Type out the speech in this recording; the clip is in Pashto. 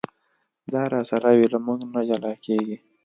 دا راسره وي له مونږه نه جلا کېږي.